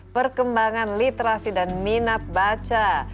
perkembangan literasi dan minat baca